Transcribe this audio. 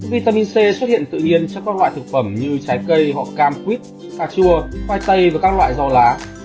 vitamin c xuất hiện tự nhiên cho các loại thực phẩm như trái cây họ cam quýt cà chua khoai tây và các loại rau lá